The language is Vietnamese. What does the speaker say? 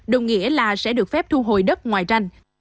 đồng nghĩa là sẽ được phép thu hồi đất ngoài ranh